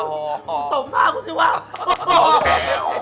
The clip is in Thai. หลอกกันใช่ไหม